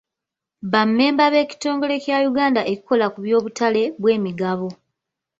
Ba mmemba b'ekitongole kya Uganda ekikola ku by'obutale bw'emigabo.